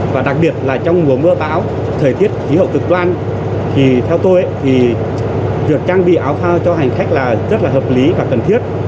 và đặc biệt là trong mùa mưa bão thời tiết khí hậu cực đoan thì theo tôi thì việc trang bị áo phao cho hành khách là rất là hợp lý và cần thiết